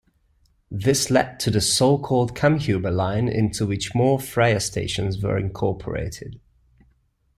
This led to the so-called Kammhuber Line into which more "Freya" stations were incorporated.